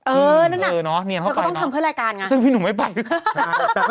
เออนั่นหรอแล้วก็เดินเข้าไปซึ่งพี่หนุ่มไม่ไปหรือคะ